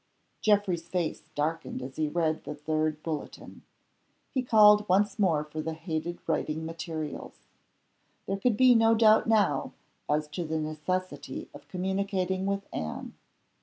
Geoffrey's face darkened as he read the third bulletin. He called once more for the hated writing materials. There could be no doubt now as to the necessity of communicating with Anne.